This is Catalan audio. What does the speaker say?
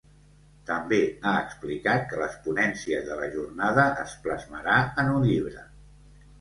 També ha explicat que les ponències de la jornada es plasmarà en un llibre.